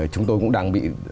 chúng tôi cũng đang bị